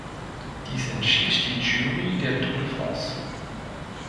Dies entschied die Jury der Tour de France.